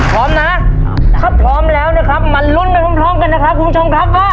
พร้อมนะถ้าพร้อมแล้วนะครับมาลุ้นไปพร้อมกันนะครับคุณผู้ชมครับว่า